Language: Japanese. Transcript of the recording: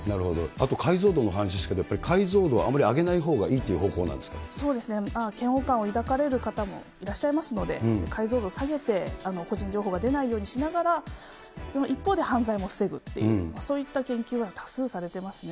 あと解像度のお話ですけど、やっぱり解像度をあまり上げないほうがいいっていう方そうですね、嫌悪感を抱かれる方もいらっしゃいますので、解像度下げて、個人情報が出ないようにしながら、その一方で犯罪も防ぐっていう、そういった研究は多数されてますね。